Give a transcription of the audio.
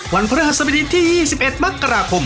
วันพระศัพท์วิดีที่๒๑มักกราคม